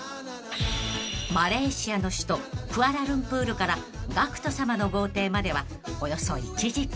［マレーシアの首都クアラルンプールからＧＡＣＫＴさまの豪邸まではおよそ１時間］